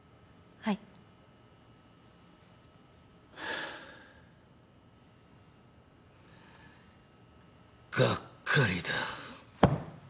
ハァがっかりだ。